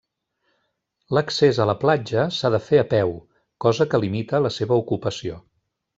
L'accés a la platja s'ha de fer a peu, cosa que limita la seva ocupació.